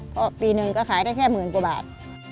เพราะปีหนึ่งก็ขายได้แค่หมื่นกว่าบาท